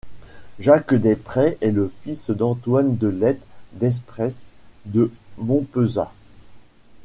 Jacques des Près est le fils d'Antoine de Lettes-Desprez de Montpezat.